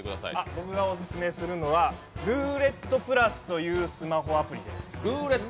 僕がオススメするのはルーレットプラスというスマホアプリです。